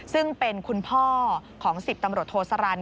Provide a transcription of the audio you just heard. ซึ่งเป็นคุณพ่อของ๑๐ตำรวจโทสรร